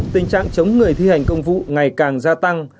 tình trạng chống người thi hành công vụ ngày càng gia tăng